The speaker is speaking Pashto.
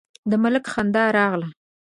د ملک خندا راغله: